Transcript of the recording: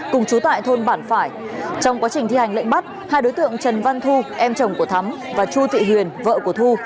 cùng chú tại thôn bản phải trong quá trình thi hành lệnh bắt hai đối tượng trần văn thu em chồng của thắm và chu thị huyền vợ của thu